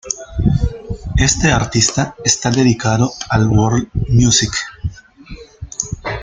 Este artista está dedicado al World Music.